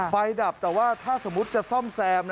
ดับแต่ว่าถ้าสมมุติจะซ่อมแซม